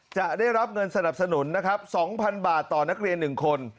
จะได้รับเงินสนับสนุนนะครับ๒๐๐๐บาทต่อนักเรียน๑คน